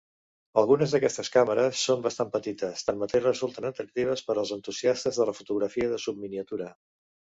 Algunes d'aquestes càmeres són bastant petites, tanmateix resulten atractives per als entusiastes de la fotografia de subminiatura.